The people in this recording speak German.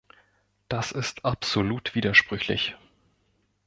Das ist absolut widersprüchlich.